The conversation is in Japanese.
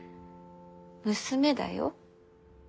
娘だよ。